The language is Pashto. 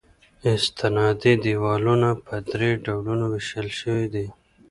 استنادي دیوالونه په درې ډولونو ویشل شوي دي